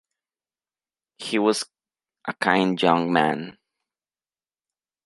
He was a kind young man.